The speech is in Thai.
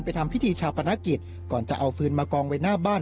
ทำพิธีชาปนกิจก่อนจะเอาฟืนมากองไว้หน้าบ้าน